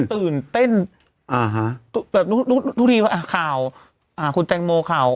ตื่นเต้นอ่าฮะแบบอ่าข่าวอ่าคุณแจงโมข่าว